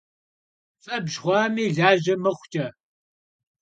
Febj xhuami, laje mıxhuç'e!